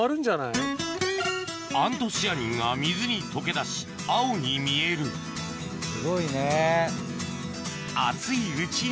アントシアニンが水に溶け出し青に見えるすごいね。